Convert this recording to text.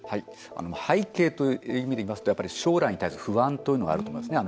背景という意味でいいますと将来に対する不安というのがあると思いますね。